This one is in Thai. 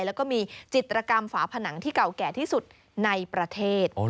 แล้วก็มีจิตรกรรมฝาผนังที่เก่าแก่ที่สุดในประเทศ